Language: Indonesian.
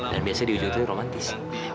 dan biasanya di ujung itu romantis